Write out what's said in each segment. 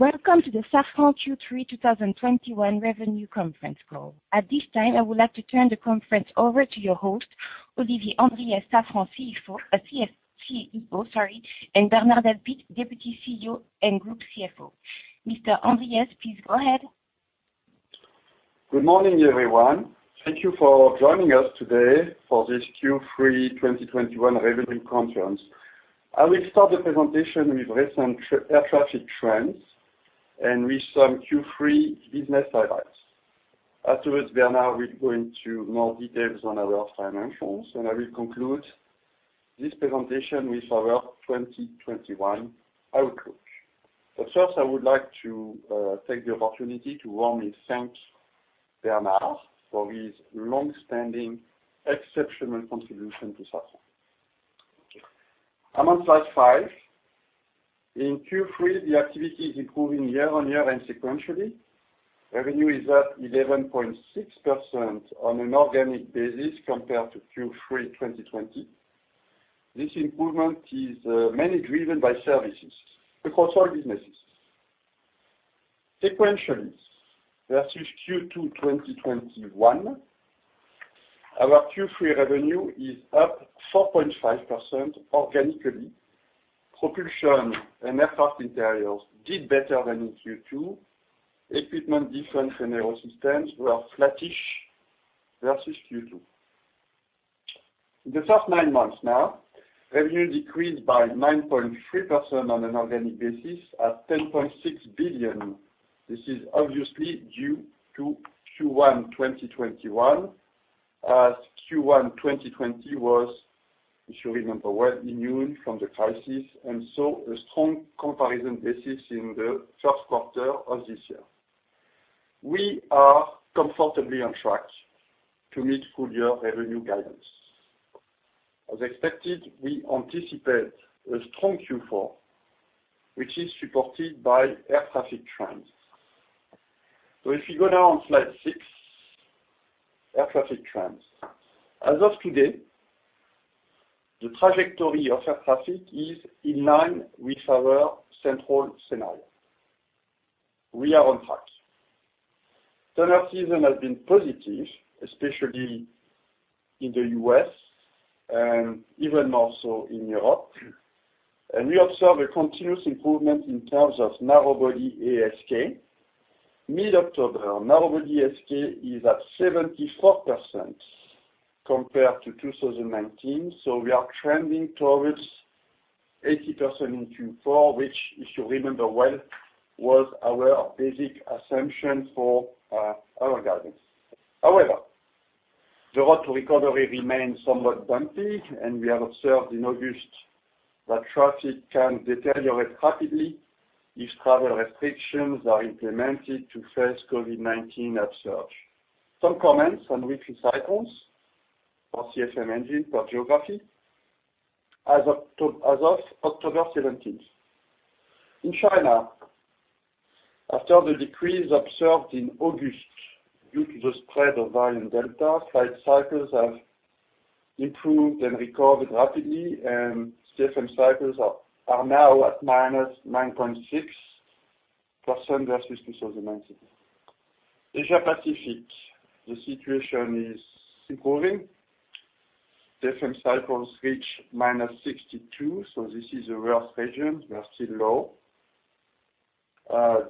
Welcome to the Safran Q3 2021 Revenue Conference Call. At this time, I would like to turn the conference over to your host, Olivier Andriès, Safran CEO, and Bernard Delpit, Deputy CEO and Group CFO. Mr. Andriès, please go ahead. Good morning, everyone. Thank you for joining us today for this Q3 2021 Revenue Conference. I will start the presentation with recent air traffic trends and with some Q3 business highlights. Afterwards, Bernard will go into more details on our financials, and I will conclude this presentation with our 2021 outlook. First, I would like to take the opportunity to warmly thank Bernard for his long-standing exceptional contribution to Safran. I'm on slide five. In Q3, the activity is improving year-on-year and sequentially. Revenue is up 11.6% on an organic basis compared to Q3 2020. This improvement is mainly driven by services across all businesses. Sequentially, versus Q2 2021, our Q3 revenue is up 4.5% organically. Propulsion and aircraft interiors did better than in Q2. Equipment, Defense, and Aerosystems were flattish versus Q2. In the first nine months now, revenue decreased by 9.3% on an organic basis at 10.6 billion. This is obviously due to Q1 2021, as Q1 2020 was, if you remember well, immune from the crisis, and saw a strong comparison basis in the first quarter of this year. We are comfortably on track to meet full-year revenue guidance. As expected, we anticipate a strong Q4, which is supported by air traffic trends. If you go now on slide six, air traffic trends. As of today, the trajectory of air traffic is in line with our central scenario. We are on track. Summer season has been positive, especially in the U.S. and even more so in Europe. We observe a continuous improvement in terms of narrow-body ASK. Mid-October, narrow-body ASK is at 74% compared to 2019, so we are trending towards 80% in Q4, which if you remember well, was our basic assumption for our guidance. However, the route to recovery remains somewhat bumpy, and we have observed in August that traffic can deteriorate rapidly if travel restrictions are implemented to face COVID-19 upsurge. Some comments on weekly cycles for CFM engine per geography as of October 17th. In China, after the decrease observed in August due to the spread of variant Delta, flight cycles have improved and recovered rapidly, and CFM cycles are now at -9.6% versus 2019. Asia Pacific, the situation is improving. CFM cycles reach -62, so this is the worst region. We are still low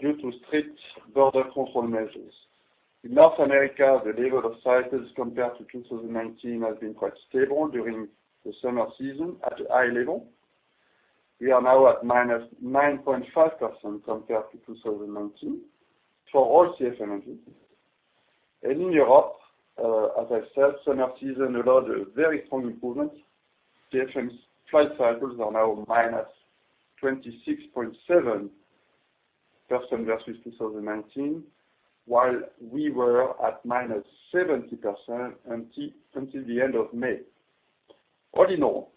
due to strict border control measures. In North America, the level of cycles compared to 2019 has been quite stable during the summer season at a high level. We are now at -9.5% compared to 2019 for all CFM engines. In Europe, as I said, summer season allowed a very strong improvement. CFM's flight cycles are now -26.7% versus 2019, while we were at -70% until the end of May. All in all,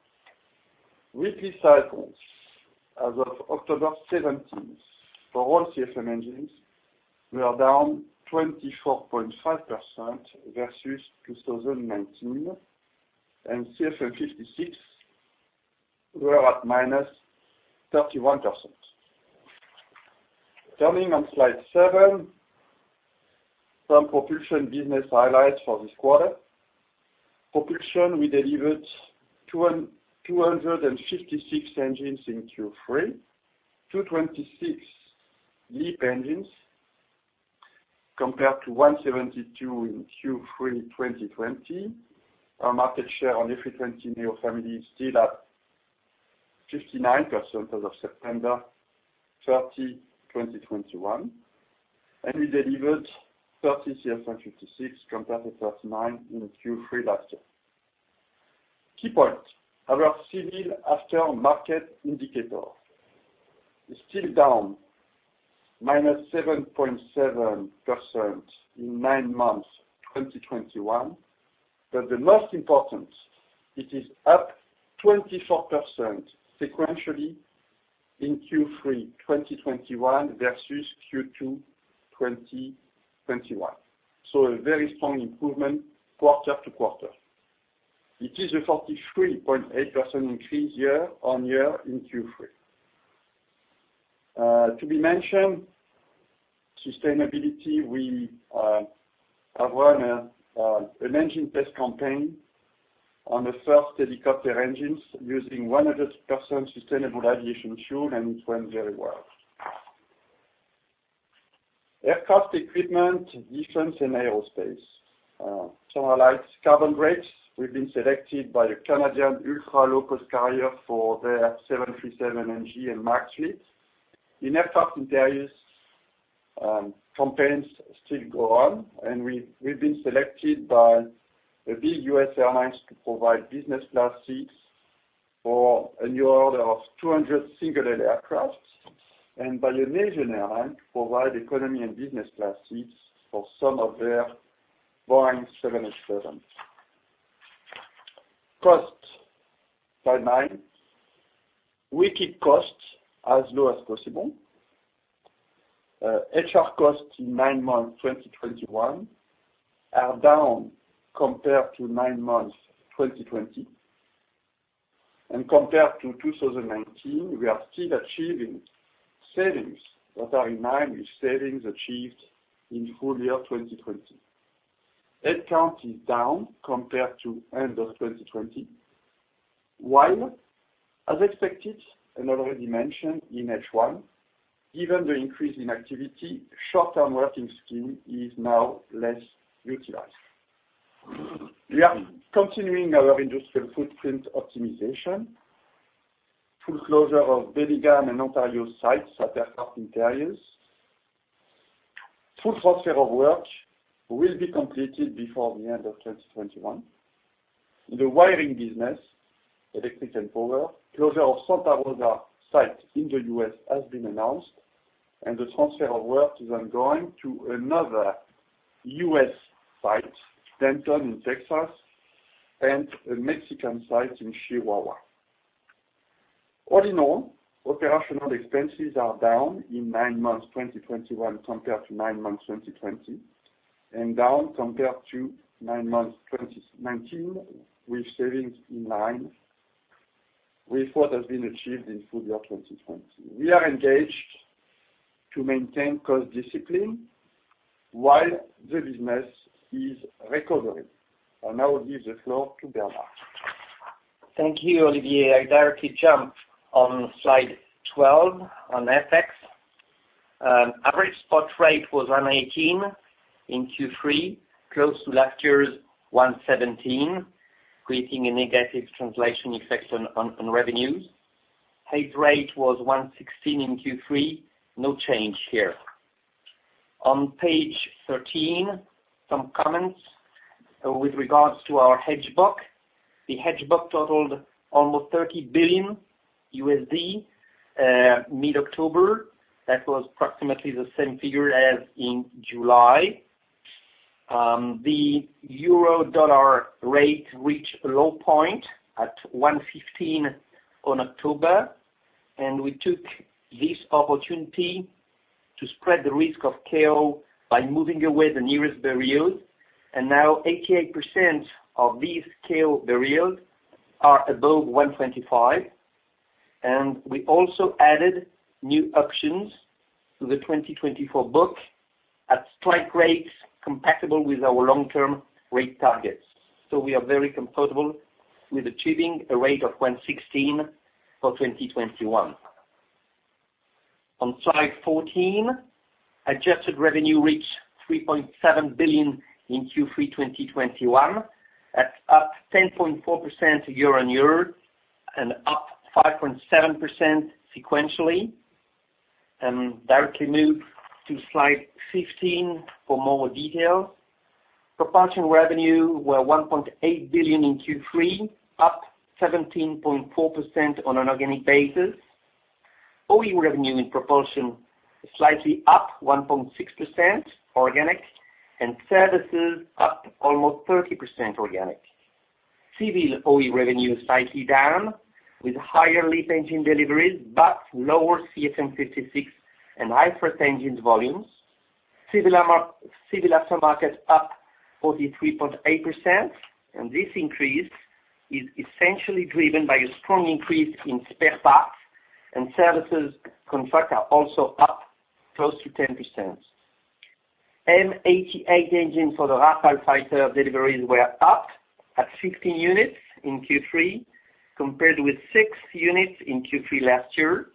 weekly cycles as of October 17th for all CFM engines were down 24.5% versus 2019, and CFM56 were at -31%. Turning to slide seven, some propulsion business highlights for this quarter. Propulsion, we delivered 256 engines in Q3. 226 LEAP engines compared to 172 in Q3 2020. Our market share on A320neo family is still at 59% as of September 30, 2021, and we delivered 30 CFM56 compared to 39 in Q3 last year. Key point, our civil after-market indicator is still down -7.7% in nine months, 2021. The most important, it is up 24% sequentially in Q3 2021 versus Q2 2021, so a very strong improvement quarter to quarter. It is a 43.8% increase year on year in Q3. To be mentioned, sustainability, we have run an engine test campaign on the first helicopter engines using 100% sustainable aviation fuel, and it went very well. Aircraft equipment, defense, and aerospace. So light carbon brakes, we've been selected by the Canadian ultra-low-cost carrier for their 737 NG and MAX fleet. In Aircraft Interiors, campaigns still go on, and we've been selected by the big U.S. airlines to provide business class seats for a new order of 200 single-aisle aircrafts and by an Asian airline to provide economy and business class seats for some of their Boeing 787s. Cost timeline. We keep costs as low as possible. HR costs in nine months, 2021 are down compared to nine months, 2020. Compared to 2019, we are still achieving savings that are in line with savings achieved in full year, 2020. Headcount is down compared to end of 2020. While as expected and already mentioned in H1, given the increase in activity, short-term working scheme is now less utilized. We are continuing our industrial footprint optimization. Full closure of Belgium and Ontario sites at Aircraft Interiors. Full transfer of work will be completed before the end of 2021. In the wiring business, Electrical & Power, closure of Santa Rosa site in the U.S. has been announced, and the transfer of work is ongoing to another U.S. site, Denton in Texas, and a Mexican site in Chihuahua. All in all, operational expenses are down in nine months, 2021, compared to nine months, 2020, and down compared to nine months, 2019, with savings in line with what has been achieved in full year, 2020. We are engaged to maintain cost discipline while the business is recovering. I now give the floor to Bernard. Thank you, Olivier. I directly jump on slide 12 on FX. Average spot rate was 1.18 in Q3, close to last year's 1.17, creating a negative translation effect on revenues. Hedge rate was 1.16 in Q3. No change here. On page 13, some comments with regards to our hedge book. The hedge book totaled almost $30 billion mid-October. That was approximately the same figure as in July. The euro-dollar rate reached a low point at 1.15 on October, and we took this opportunity to spread the risk of KO by moving away the nearest barriers. Now 88% of these KO barriers are above 1.25. We also added new options to the 2024 book at strike rates compatible with our long-term rate targets. We are very comfortable with achieving a rate of 1.16 for 2021. On slide 14, adjusted revenue reached 3.7 billion in Q3 2021. That's up 10.4% year-on-year and up 5.7% sequentially. Directly move to slide 15 for more details. Propulsion revenue were 1.8 billion in Q3, up 17.4% on an organic basis. OE revenue in propulsion is slightly up 1.6% organic and services up almost 30% organic. Civil OE revenue is slightly down with higher LEAP engine deliveries, but lower CFM56 and military engine volumes. Civil aftermarket up 43.8%, and this increase is essentially driven by a strong increase in spare parts and services contract are also up close to 10%. M88 engine for the Rafale fighter deliveries were up at 16 units in Q3 compared with six units in Q3 last year.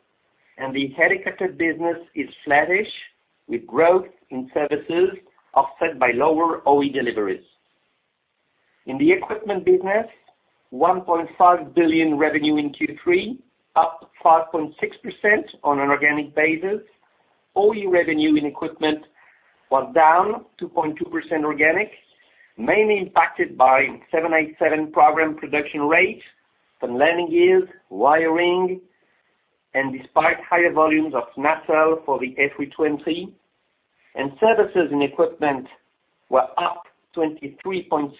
The helicopter business is flattish with growth in services offset by lower OE deliveries. In the equipment business, 1.5 billion revenue in Q3, up 5.6% on an organic basis. OE revenue in equipment was down 2.2% organic, mainly impacted by 787 program production rates from landing gears, wiring, and despite higher volumes of nacelle for the A320. Services in equipment were up 23.6%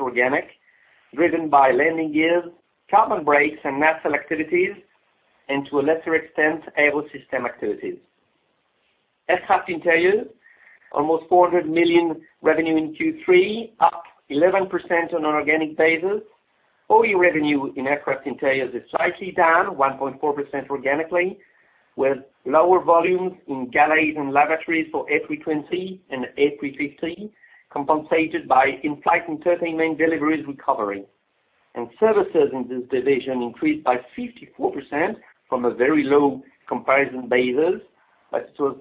organic, driven by landing gears, carbon brakes and nacelle activities, and to a lesser extent, aerosystem activities. Aircraft Interiors, almost 400 million revenue in Q3, up 11% on an organic basis. OE revenue in Aircraft Interiors is slightly down 1.4% organically, with lower volumes in galleys and lavatories for A320 and A350, compensated by in-flight entertainment deliveries recovering. Services in this division increased by 54% from a very low comparison basis. That was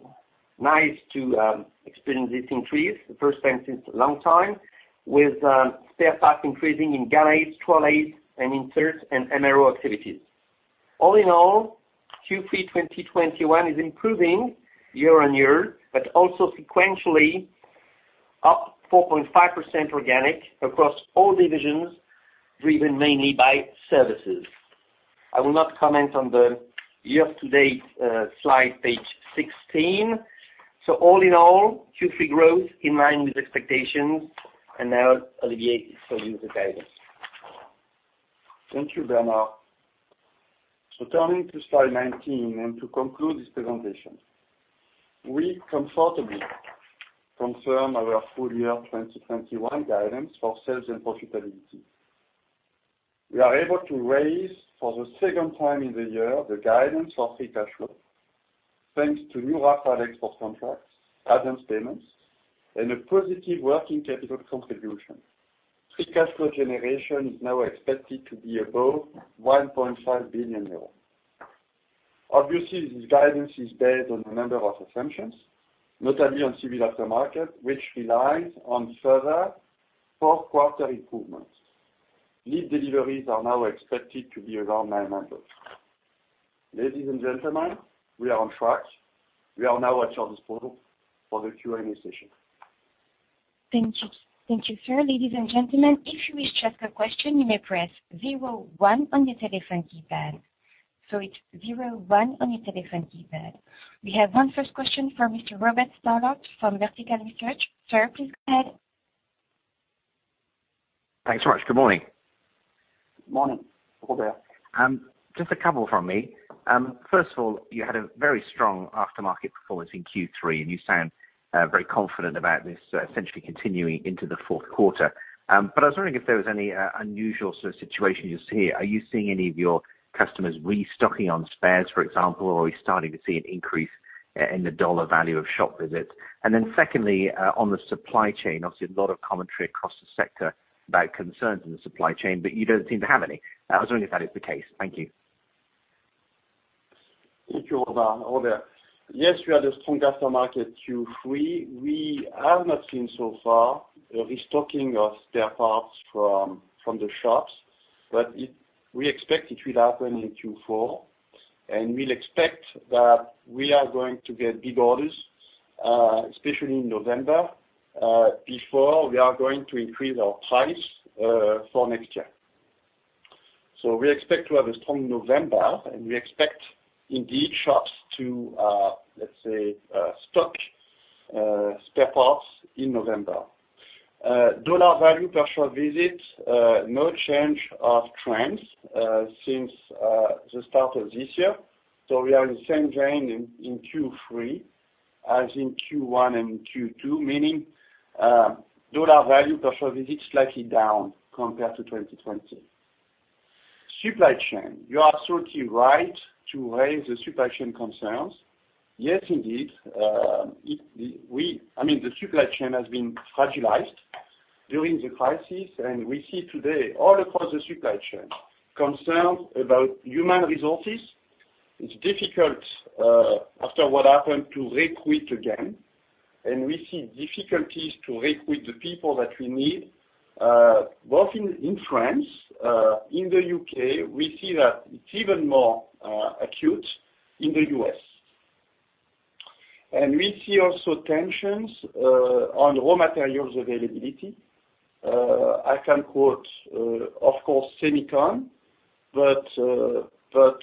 nice to experience this increase the first time since a long time, with spare parts increasing in galleys, trolleys and inserts and MRO activities. All in all, Q3 2021 is improving year-on-year, but also sequentially up 4.5% organic across all divisions, driven mainly by services. I will not comment on the year-to-date slide page 16. All in all, Q3 growth in line with expectations. Now Olivier for full year guidance. Thank you, Bernard. Turning to slide 19, and to conclude this presentation, we comfortably confirm our full year 2021 guidance for sales and profitability. We are able to raise for the second time in the year the guidance for free cash flow, thanks to new Rafale export contracts, advance payments, and a positive working capital contribution. Free cash flow generation is now expected to be above 1.5 billion euros. Obviously, this guidance is based on a number of assumptions, notably on civil aftermarket, which relies on further fourth quarter improvements. LEAP deliveries are now expected to be around 900. Ladies and gentlemen, we are on track. We are now at your disposal for the Q&A session. Thank you. Thank you, sir. Ladies and gentlemen, if you wish to ask a question, you may press zero one on your telephone keypad. It's zero one on your telephone keypad. We have one first question from Mr. Robert Stallard from Vertical Research. Sir, please go ahead. Thanks very much. Good morning. Morning, Robert. Just a couple from me. First of all, you had a very strong aftermarket performance in Q3, and you sound very confident about this essentially continuing into the fourth quarter. I was wondering if there was any unusual sort of situation you see. Are you seeing any of your customers restocking on spares, for example? Are we starting to see an increase in the dollar value of shop visits? Secondly, on the supply chain, obviously a lot of commentary across the sector about concerns in the supply chain, but you don't seem to have any. I was wondering if that is the case. Thank you. Thank you, Robert. Yes, we had a strong aftermarket Q3. We have not seen so far a restocking of spare parts from the shops. We expect it will happen in Q4, and we expect that we are going to get big orders, especially in November, before we are going to increase our price for next year. We expect to have a strong November, and we expect indeed shops to let's say stock spare parts in November. Dollar value per shop visit, no change of trends since the start of this year, so we are in the same trend in Q3 as in Q1 and Q2, meaning dollar value per shop visit slightly down compared to 2020. Supply chain. You are absolutely right to raise the supply chain concerns. Yes, indeed, I mean, the supply chain has been fragilized during the crisis, and we see today all across the supply chain concerns about human resources. It's difficult, after what happened to recruit again, and we see difficulties to recruit the people that we need, both in France, in the U.K., we see that it's even more acute in the U.S., we see also tensions on raw materials availability. I can quote, of course, semiconductors, but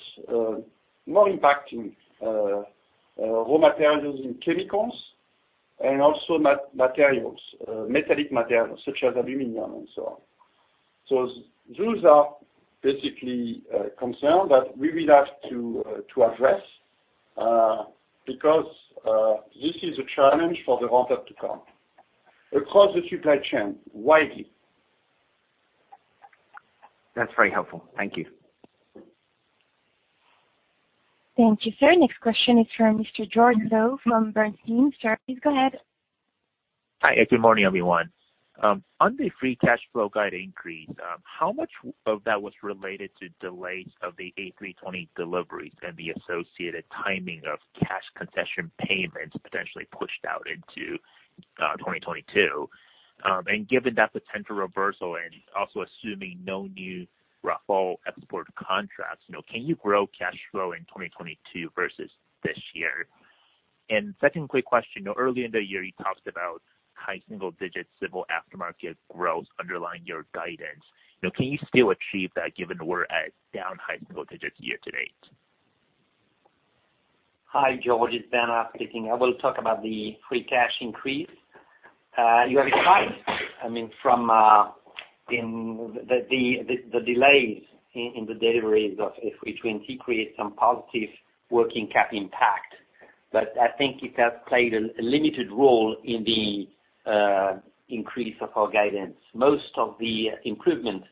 more impacting raw materials in chemicals and also materials, metallic materials such as aluminum and so on. Those are basically concerns that we will have to address, because this is a challenge for the ramp-up to come across the supply chain widely. That's very helpful. Thank you. Thank you, sir. Next question is from Mr. George Zhao from Bernstein. Sir, please go ahead. Hi, and good morning, everyone. On the free cash flow guide increase, how much of that was related to delays of the A320 deliveries and the associated timing of cash concession payments potentially pushed out into 2022? Given that potential reversal and also assuming no new Rafale export contracts, you know, can you grow cash flow in 2022 versus this year? Second quick question. You know, earlier in the year, you talked about high single-digit civil aftermarket growth underlying your guidance. You know, can you still achieve that given we're at down high single-digits year to date? Hi, George. It's Bernard speaking. I will talk about the free cash increase. You are right. I mean, from the delays in the deliveries of A320 create some positive working cap impact. I think it has played a limited role in the increase of our guidance. Most of the improvement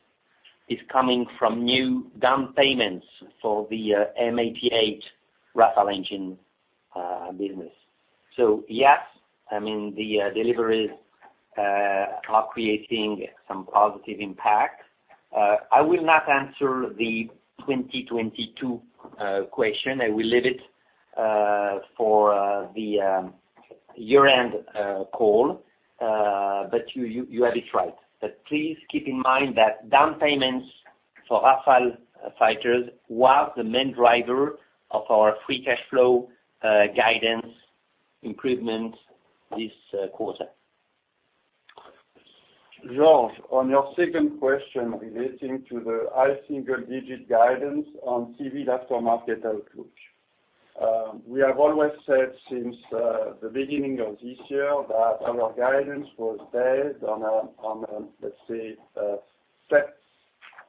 is coming from new down payments for the M88 Rafale engine business. Yes, I mean, the deliveries are creating some positive impact. I will not answer the 2022 question. I will leave it for the year-end call. You have it right. Please keep in mind that down payments for Rafale fighters was the main driver of our free cash flow guidance improvement this quarter. George, on your second question relating to the high single digit guidance on civil aftermarket outlook, we have always said since the beginning of this year that our guidance was based on a, let's say, a set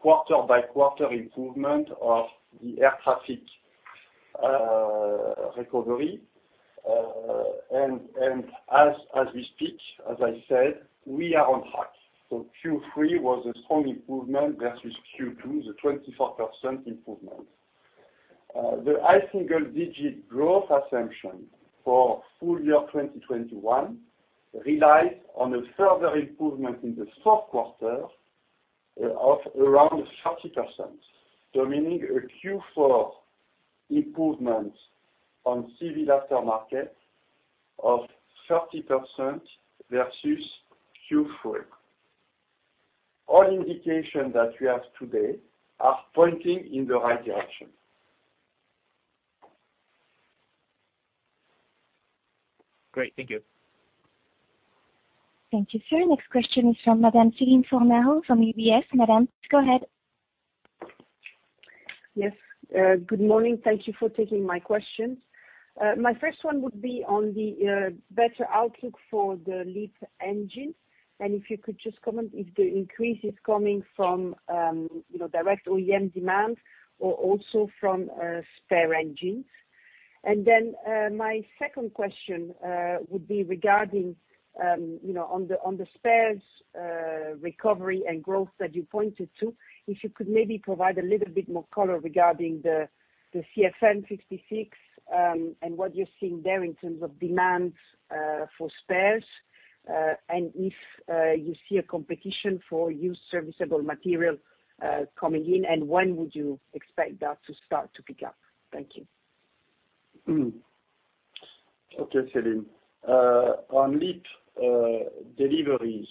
quarter by quarter improvement of the air traffic recovery. As we speak, as I said, we are on track. Q3 was a strong improvement versus Q2, the 24% improvement. The high single digit growth assumption for full year 2021 relies on a further improvement in the fourth quarter of around 30%, meaning a Q4 improvement on civil aftermarket of 30% versus Q3. All indications that we have today are pointing in the right direction. Great. Thank you. Thank you, sir. Next question is from Madame Céline Fornaro from UBS. Madame, go ahead. Yes. Good morning. Thank you for taking my question. My first one would be on the better outlook for the LEAP engines, and if you could just comment if the increase is coming from, you know, direct OEM demand or also from spare engines. My second question would be regarding, you know, on the spares recovery and growth that you pointed to, if you could maybe provide a little bit more color regarding the CFM56 and what you're seeing there in terms of demand for spares, and if you see a competition for Used Serviceable Material coming in, and when would you expect that to start to pick up? Thank you. Okay, Céline. On LEAP deliveries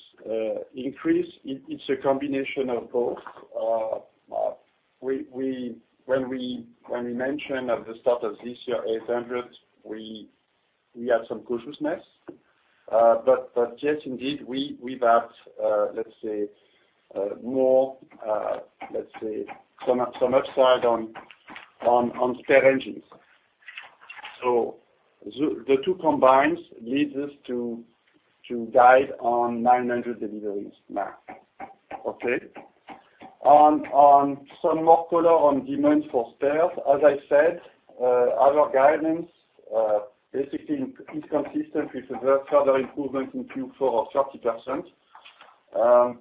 increase, it's a combination of both. When we mention at the start of this year, 800, we had some cautiousness. But yes, indeed, we've had, let's say, more, let's say, some upside on spare engines. So the two combines leads us to guide on 900 deliveries max. Okay? On some more color on demand for spares, as I said, our guidance basically is consistent with a further improvement in Q4 of 30%.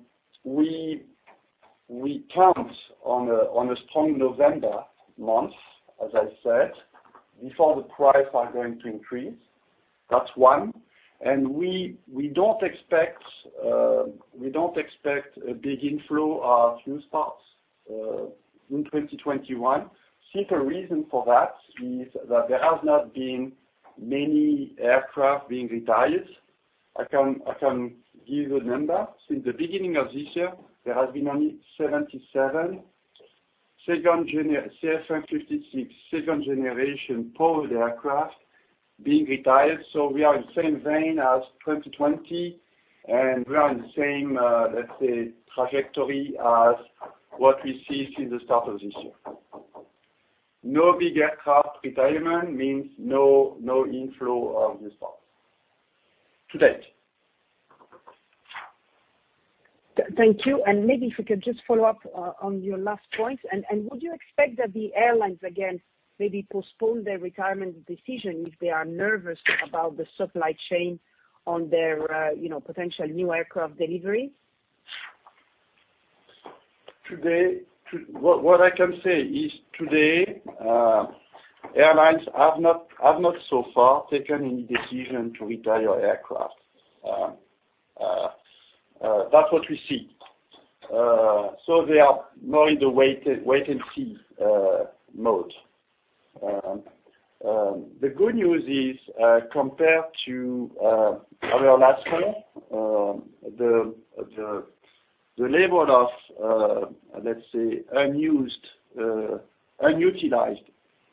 We count on a strong November month, as I said, before the prices are going to increase. That's one. We don't expect a big inflow of USM parts in 2021. Simple reason for that is that there has not been many aircraft being retired. I can give a number. Since the beginning of this year, there has been only 77 CFM56 second generation powered aircraft being retired. We are in the same vein as 2020, and we are in the same, let's say, trajectory as what we see since the start of this year. No big aircraft retirement means no inflow of USM parts to date. Thank you. Maybe if we could just follow up on your last point. Would you expect that the airlines, again, maybe postpone their retirement decision if they are nervous about the supply chain on their, you know, potential new aircraft delivery? What I can say is, today airlines have not so far taken any decision to retire aircraft. That's what we see. They are more in the wait-and-see mode. The good news is, compared to our last call, the level of, let's say, unused unutilized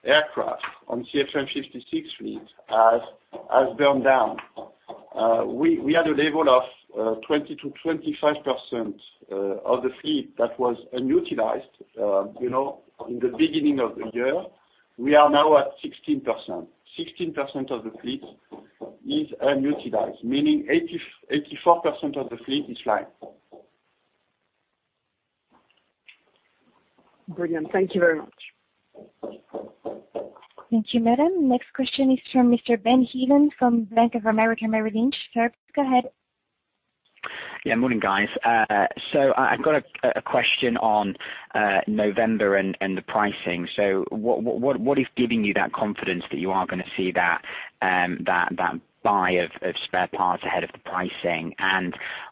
aircraft on the CFM56 fleet has gone down. We had a level of 20%-25% of the fleet that was unutilized, you know, in the beginning of the year. We are now at 16%. 16% of the fleet is unutilized, meaning 84% of the fleet is flying. Brilliant. Thank you very much. Thank you, madam. Next question is from Mr. Ben Heelan from Bank of America Merrill Lynch. Sir, go ahead. Morning, guys. I've got a question on November and the pricing. What is giving you that confidence that you are gonna see that buy of spare parts ahead of the pricing?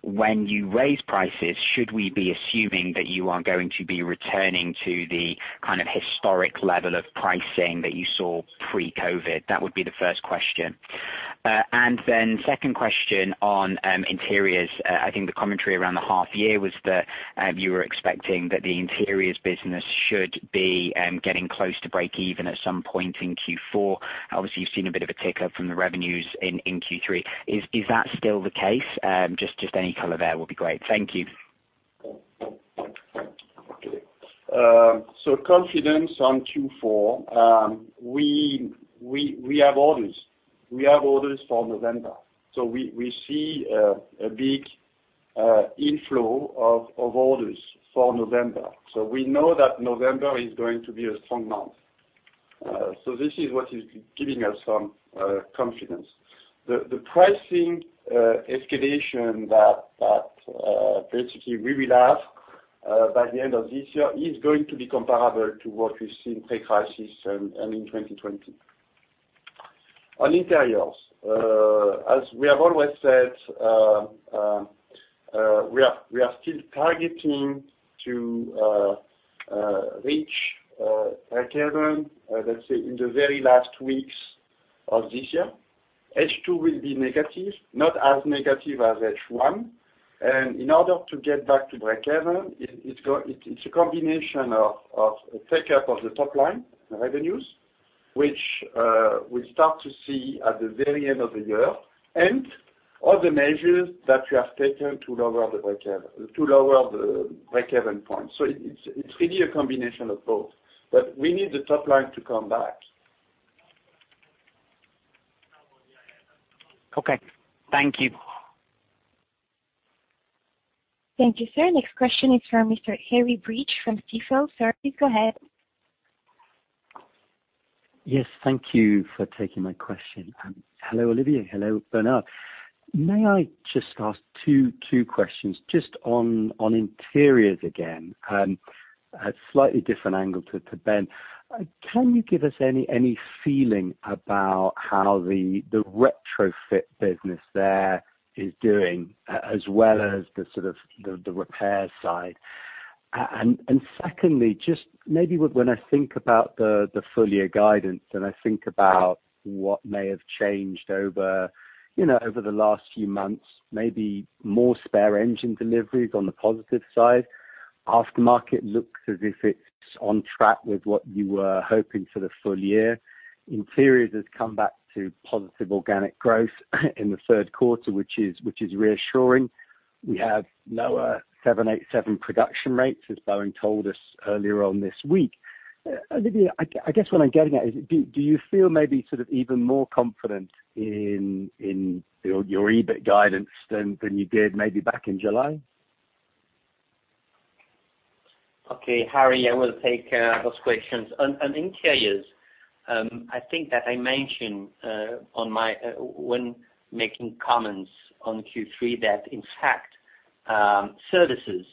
When you raise prices, should we be assuming that you are going to be returning to the kind of historic level of pricing that you saw pre-COVID? That would be the first question. Second question on interiors. I think the commentary around the half year was that you were expecting that the interiors business should be getting close to break even at some point in Q4. Obviously, you've seen a bit of a tick up from the revenues in Q3. Is that still the case? Just any color there will be great. Thank you. Confidence on Q4, we have orders for November. We see a big inflow of orders for November. We know that November is going to be a strong month. This is what is giving us some confidence. The pricing escalation that basically we will have by the end of this year is going to be comparable to what we've seen pre-crisis and in 2020. On interiors, as we have always said, we are still targeting to reach breakeven, let's say in the very last weeks of this year. H2 will be negative, not as negative as H1. In order to get back to breakeven, it's a combination of a take-up of the top line, the revenues, which we start to see at the very end of the year, and all the measures that we have taken to lower the breakeven point. It's really a combination of both. We need the top line to come back. Okay. Thank you. Thank you, sir. Next question is from Mr. Harry Breach from T. Rowe. Sir, please go ahead. Yes, thank you for taking my question. Hello, Olivier. Hello, Bernard. May I just ask two questions just on interiors again, a slightly different angle to Ben. Can you give us any feeling about how the retrofit business there is doing, as well as the sort of the repair side? Secondly, just maybe when I think about the full year guidance and I think about what may have changed over you know over the last few months, maybe more spare engine deliveries on the positive side. Aftermarket looks as if it's on track with what you were hoping for the full year. Interiors has come back to positive organic growth in the third quarter, which is reassuring. We have lower 787 production rates, as Boeing told us earlier on this week. Olivier, I guess what I'm getting at is do you feel maybe sort of even more confident in your EBIT guidance than you did maybe back in July? Okay, Harry, I will take those questions. On interiors, I think that I mentioned when making comments on Q3 that in fact, services,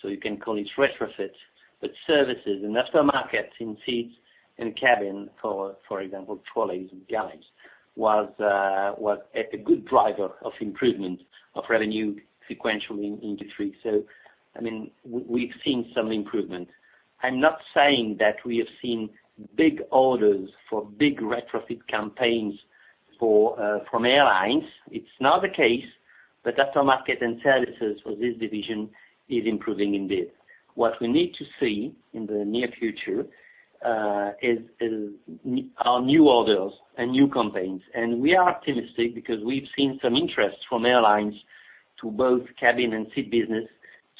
so you can call it retrofits, but services in aftermarket, in seats and cabin, for example, trolleys and galleys, was a good driver of improvement of revenue sequentially in Q3. I mean, we've seen some improvement. I'm not saying that we have seen big orders for big retrofit campaigns from airlines. It's not the case, but aftermarket and services for this division is improving indeed. What we need to see in the near future is our new orders and new campaigns. We are optimistic because we've seen some interest from airlines to both cabin and seat business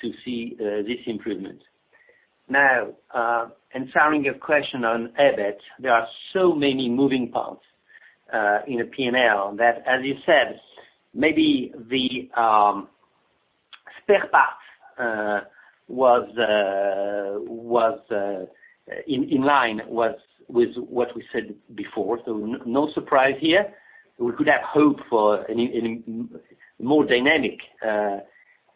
to see this improvement. Following your question on EBIT, there are so many moving parts in a P&L that, as you said, maybe the spare parts was in line with what we said before. No surprise here. We could have hoped for a more dynamic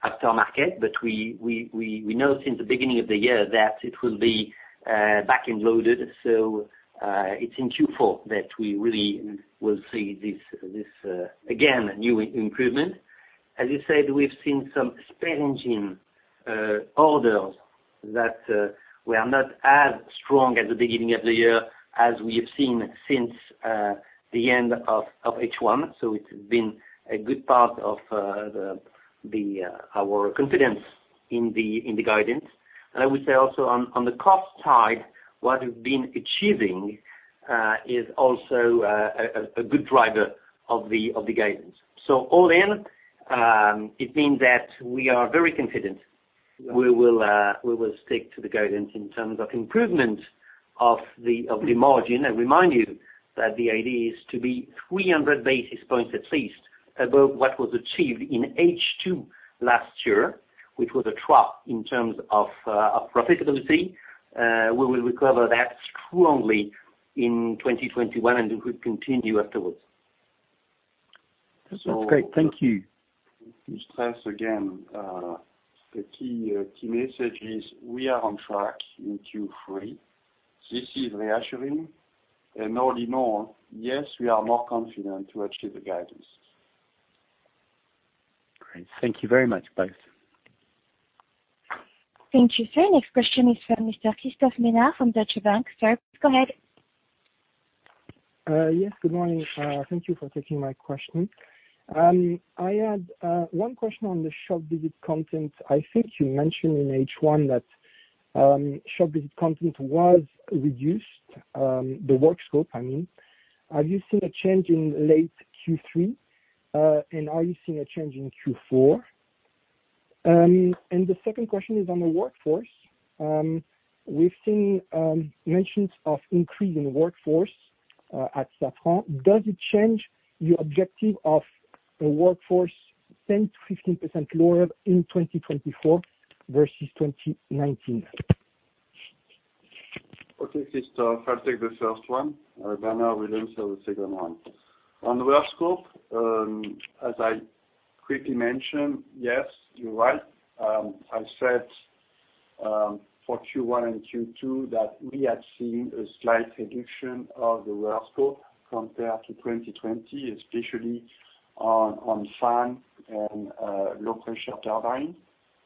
aftermarket, but we know since the beginning of the year that it will be back-end loaded. It's in Q4 that we really will see this again new improvement. As you said, we've seen some spare engine orders that were not as strong at the beginning of the year as we have seen since the end of H1. It's been a good part of our confidence in the guidance. I would say also on the cost side, what we've been achieving is also a good driver of the guidance. All in, it means that we are very confident. We will stick to the guidance in terms of improvement of the margin, and remind you that the idea is to be 300 basis points at least above what was achieved in H2 last year, which was a trough in terms of profitability. We will recover that strongly in 2021, and it will continue afterwards. That's great. Thank you. Let me stress again, the key message is we are on track in Q3. This is reassuring. All in all, yes, we are more confident to achieve the guidance. Great. Thank you very much, both. Thank you, sir. Next question is from Mr. Christophe Menard from Deutsche Bank. Sir, go ahead. Yes, good morning. Thank you for taking my question. I had one question on the shop visit content. I think you mentioned in H1 that shop visit content was reduced, the work scope, I mean. Have you seen a change in late Q3, and are you seeing a change in Q4? The second question is on the workforce. We've seen mentions of increase in workforce at Safran. Does it change your objective of a workforce 10%-15% lower in 2024 versus 2019? Okay, Christophe, I'll take the first one. Bernard will answer the second one. On the work scope, as I quickly mentioned, yes, you're right. I said for Q1 and Q2 that we had seen a slight reduction of the work scope compared to 2020, especially on fan and low pressure turbines.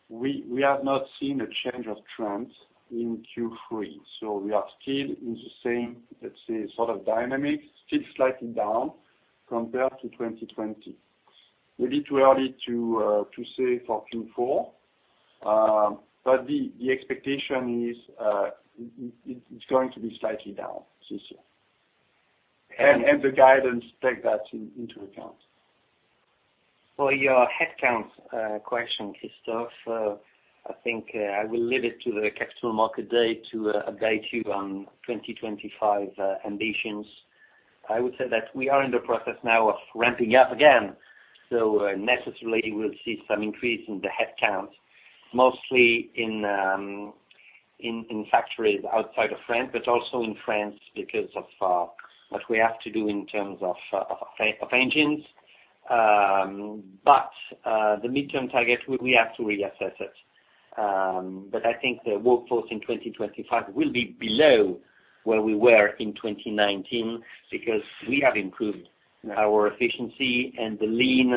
We have not seen a change of trends in Q3, so we are still in the same, let's say, sort of dynamic, still slightly down compared to 2020. Maybe too early to say for Q4, but the expectation is it's going to be slightly down this year. The guidance takes that into account. For your headcount question, Christophe, I think I will leave it to the Capital Markets Day to update you on 2025 ambitions. I would say that we are in the process now of ramping up again. Necessarily we'll see some increase in the headcount, mostly in factories outside of France, but also in France because of what we have to do in terms of engines. The midterm target, we have to reassess it. I think the workforce in 2025 will be below where we were in 2019 because we have improved our efficiency and the lean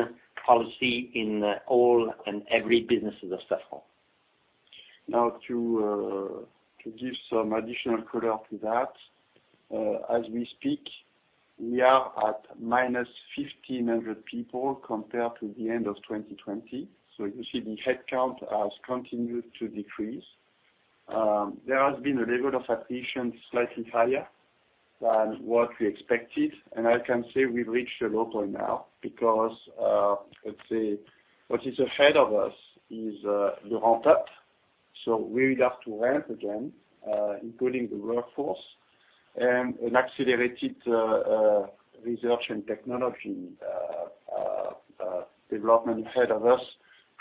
policy in all and every businesses of Safran. Now, to give some additional color to that, as we speak, we are at -1,500 people compared to the end of 2020. You see the headcount has continued to decrease. There has been a level of attrition slightly higher than what we expected, and I can say we've reached a low point now because, let's say what is ahead of us is, the ramp up. We will have to ramp again, including the workforce and an accelerated research and technology development ahead of us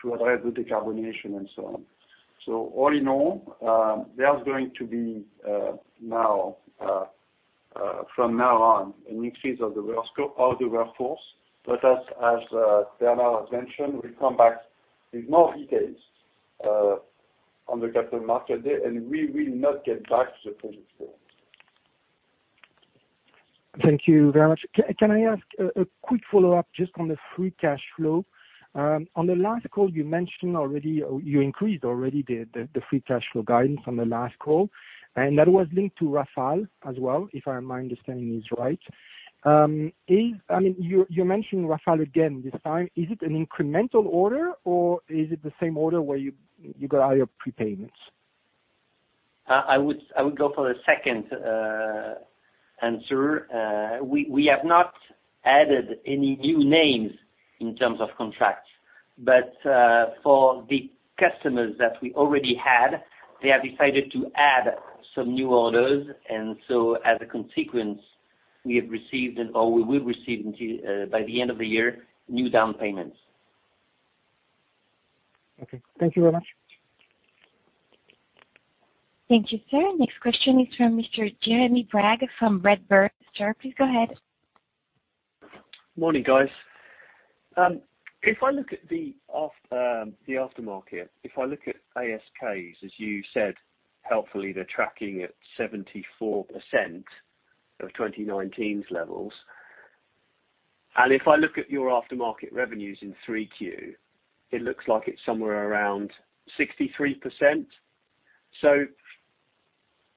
to address the decarbonization and so on. All in all, there's going to be, now, from now on, an increase of the work scope of the workforce. As Bernard has mentioned, we'll come back with more details on the Capital Markets Day, and we will not get back to the previous level. Thank you very much. Can I ask a quick follow-up just on the free cash flow? On the last call you mentioned already, or you increased already the free cash flow guidance on the last call, and that was linked to Rafale as well, if my understanding is right. I mean, you're mentioning Rafale again this time. Is it an incremental order or is it the same order where you got all your prepayments? I would go for the second answer. We have not added any new names in terms of contracts. For the customers that we already had, they have decided to add some new orders. As a consequence, we have received or we will receive in by the end of the year, new down payments. Okay. Thank you very much. Thank you, sir. Next question is from Mr. Jeremy Bragg from Redburn. Sir, please go ahead. Morning, guys. If I look at the aftermarket, if I look at ASKs, as you said helpfully, they're tracking at 74% of 2019's levels. If I look at your aftermarket revenues in 3Q, it looks like it's somewhere around 63%.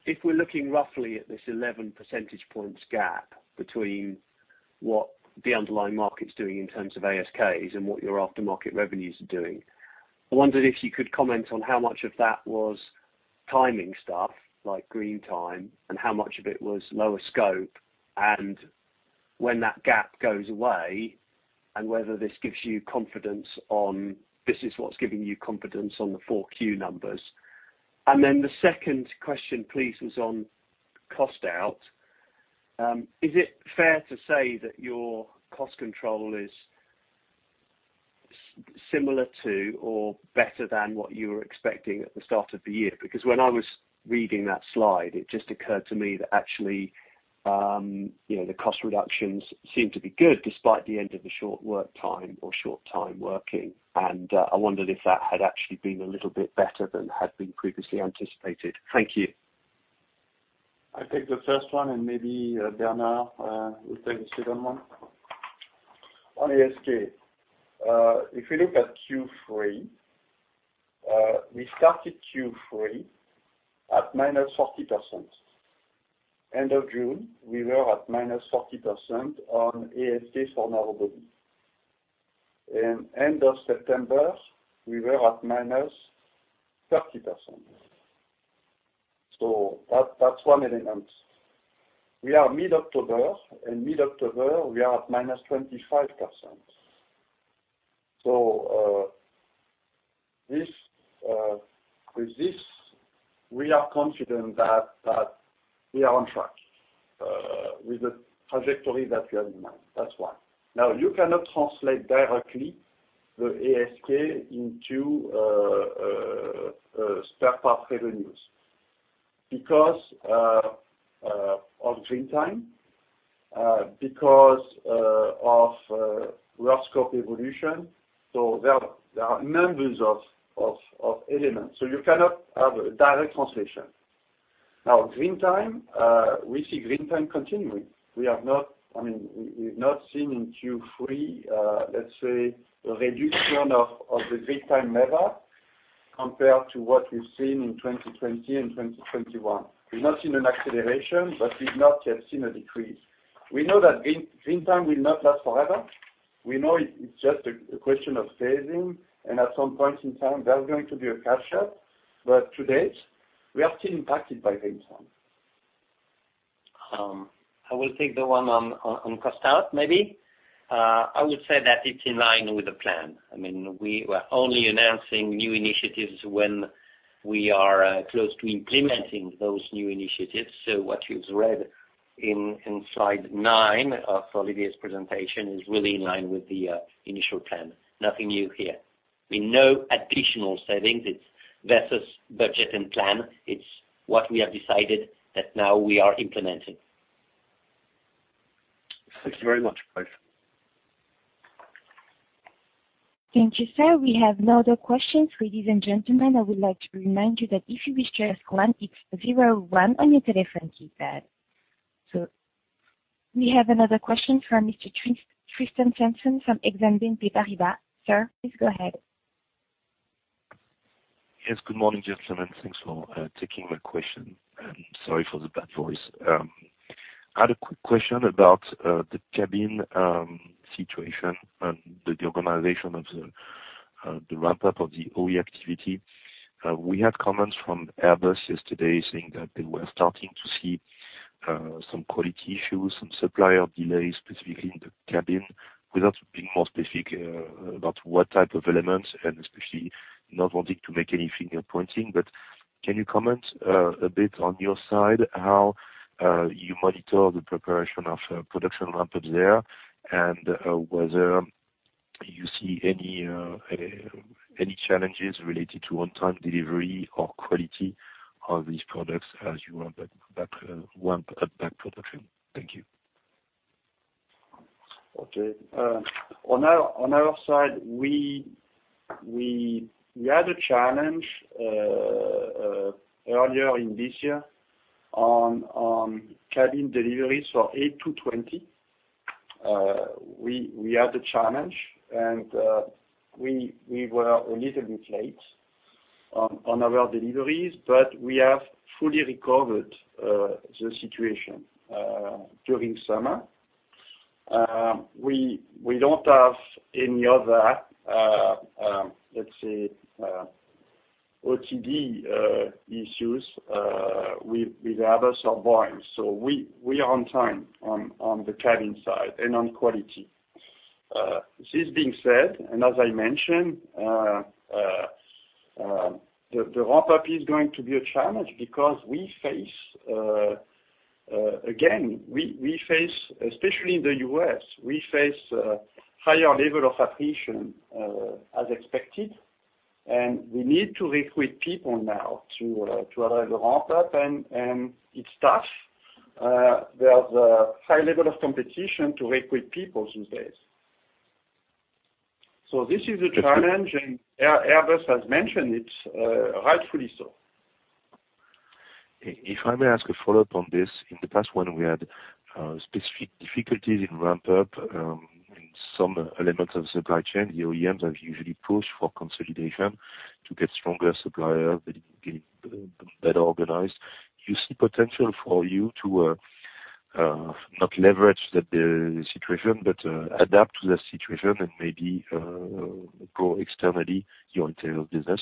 If we're looking roughly at this 11 percentage points gap between what the underlying market's doing in terms of ASKs and what your aftermarket revenues are doing, I wondered if you could comment on how much of that was timing stuff like green time, and how much of it was lower scope, and when that gap goes away and whether this gives you confidence on this is what's giving you confidence on the 4Q numbers. The second question, please, is on cost out. Is it fair to say that your cost control is similar to or better than what you were expecting at the start of the year? Because when I was reading that slide, it just occurred to me that actually, you know, the cost reductions seem to be good despite the end of the short work time or short time working. I wondered if that had actually been a little bit better than had been previously anticipated. Thank you. I'll take the first one, and maybe Bernard will take the second one. On ASK, if you look at Q3, we started Q3 at -40%. At the end of June, we were at -40% on ASK for narrow-body. At the end of September, we were at -30%. That's one element. In mid-October, we are at -25%. With this, we are confident that we are on track with the trajectory that we have in mind. That's why. Now, you cannot translate directly the ASK into spare part revenues because of green time, because of work scope evolution. There are a number of elements. You cannot have a direct translation. Now, green time, we see green time continuing. I mean, we've not seen in Q3, let's say, a reduction of the green time level compared to what we've seen in 2020 and 2021. We've not seen an acceleration, but we've not yet seen a decrease. We know that green time will not last forever. We know it's just a question of phasing, and at some point in time, there's going to be a catch up. To date, we are still impacted by green time. I will take the one on cost out, maybe. I would say that it's in line with the plan. I mean, we were only announcing new initiatives when we are close to implementing those new initiatives. What you've read in slide nine of Olivier's presentation is really in line with the initial plan. Nothing new here. We've no additional savings. It's versus budget and plan. It's what we have decided that now we are implementing. Thank you very much, both. Thank you, sir. We have no other questions. Ladies and gentlemen, I would like to remind you that if you wish to ask one, it's zero one on your telephone keypad. We have another question from Mr. Tristan Sanson from Exane BNP Paribas. Sir, please go ahead. Yes, good morning, gentlemen. Thanks for taking my question. I'm sorry for the bad voice. I had a quick question about the cabin situation and the organization of the ramp-up of the OE activity. We had comments from Airbus yesterday saying that they were starting to see some quality issues, some supplier delays, specifically in the cabin, without being more specific about what type of elements, and especially not wanting to make any finger-pointing. Can you comment a bit on your side, how you monitor the preparation of production ramp-ups there, and whether you see any challenges related to on-time delivery or quality of these products as you ramp up that production? Thank you. Okay. On our side, we had a challenge earlier this year on cabin deliveries for A220. We had a challenge and we were a little bit late on our deliveries, but we have fully recovered the situation during summer. We don't have any other, let's say, OTD issues with Airbus or Boeing. We are on time on the cabin side and on quality. This being said, and as I mentioned, the ramp-up is going to be a challenge because we face again, especially in the U.S., a higher level of attrition as expected, and we need to recruit people now to allow the ramp-up, and it's tough. There's a high level of competition to recruit people these days. This is a challenge, and Airbus has mentioned it, rightfully so. If I may ask a follow-up on this. In the past, when we had specific difficulties in ramp-up in some elements of supply chain, the OEMs have usually pushed for consolidation to get stronger supplier, getting better organized. You see potential for you to not leverage the situation, but adapt to the situation and maybe grow externally your internal business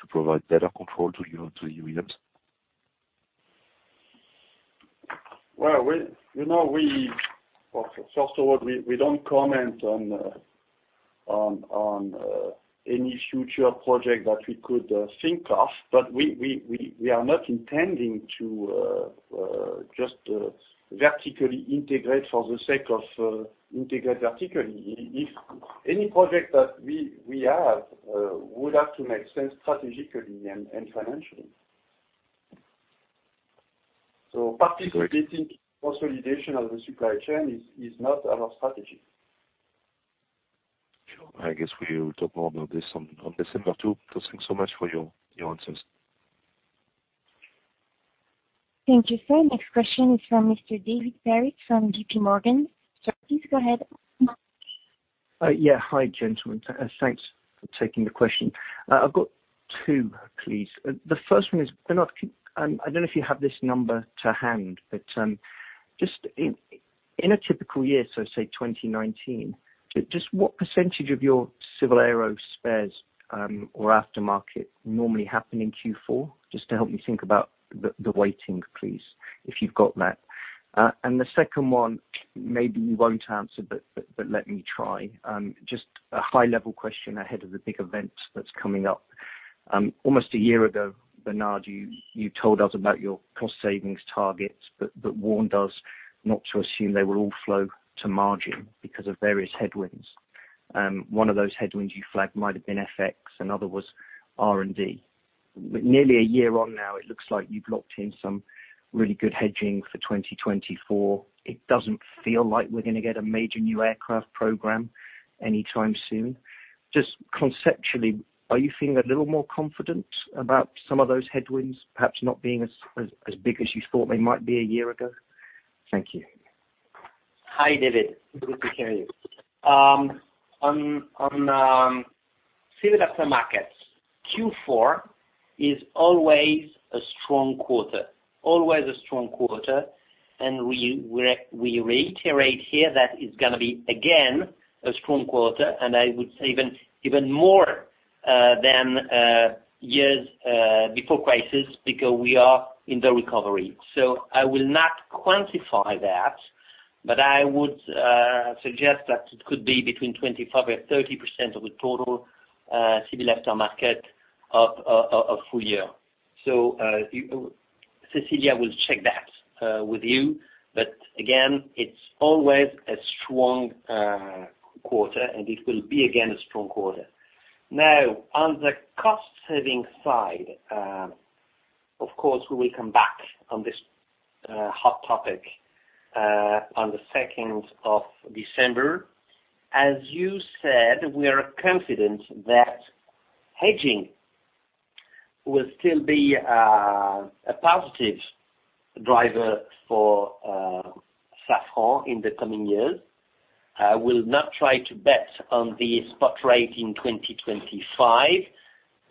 to provide better control to the OEMs? Well, you know, first of all, we don't comment on any future project that we could think of, but we are not intending to just vertically integrate for the sake of vertical integration. If any project that we have would have to make sense strategically and financially. Participating in consolidation of the supply chain is not our strategy. Sure. I guess we'll talk more about this on December 2. Thanks so much for your answers. Thank you, sir. Next question is from Mr. David Perry from JPMorgan. Sir, please go ahead. Yeah. Hi, gentlemen. Thanks for taking the question. I've got two, please. The first one is, Bernard, I don't know if you have this number to hand, but just in a typical year, so say 2019, just what percentage of your civil aero spares or aftermarket normally happen in Q4? Just to help me think about the weighting, please, if you've got that. The second one, maybe you won't answer, but let me try. Just a high-level question ahead of the big event that's coming up. Almost a year ago, Bernard, you told us about your cost savings targets, but warned us not to assume they would all flow to margin because of various headwinds. One of those headwinds you flagged might have been FX, another was R&D. Nearly a year on now, it looks like you've locked in some really good hedging for 2024. It doesn't feel like we're gonna get a major new aircraft program anytime soon. Just conceptually, are you feeling a little more confident about some of those headwinds, perhaps not being as big as you thought they might be a year ago? Thank you. Hi, David. Good to hear you. On civil aftermarkets, Q4 is always a strong quarter. We reiterate here that it's gonna be, again, a strong quarter, and I would say even more than years before crisis because we are in the recovery. I will not quantify that, but I would suggest that it could be between 25%-30% of the total civil aftermarket of full year. Cecilia will check that with you. Again, it's always a strong quarter, and it will be again a strong quarter. Now, on the cost-saving side, of course, we will come back on this hot topic on the second of December. As you said, we are confident that hedging will still be a positive starter for Safran in the coming years. I will not try to bet on the spot rate in 2025,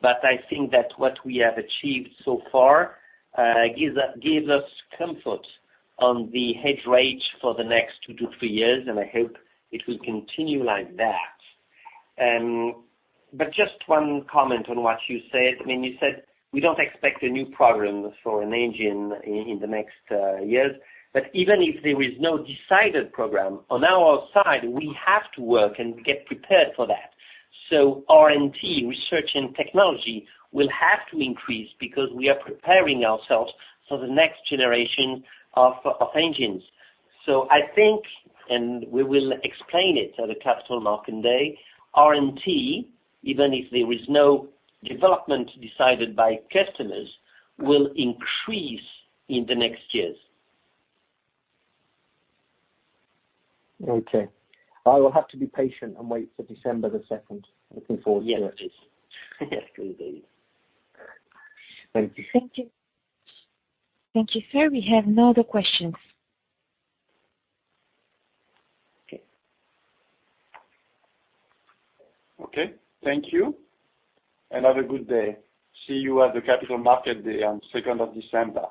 but I think that what we have achieved so far gives us comfort on the hedge rate for the next two to three years, and I hope it will continue like that. Just one comment on what you said, when you said, "We don't expect a new program for an engine in the next years." Even if there is no decided program, on our side, we have to work and get prepared for that. R&T, research and technology, will have to increase because we are preparing ourselves for the next generation of engines. I think, and we will explain it at the Capital Markets Day, R&T, even if there is no development decided by customers, will increase in the next years. Okay. I will have to be patient and wait for December 2nd. Looking forward to it. Yes. Yes, indeed. Thank you. Thank you. Thank you, sir. We have no other questions. Okay. Okay. Thank you. Have a good day. See you at the Capital Markets Day on second of December.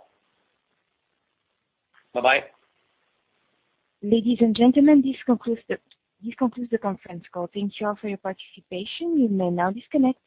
Bye-bye. Ladies and gentlemen, this concludes the conference call. Thank you all for your participation. You may now disconnect.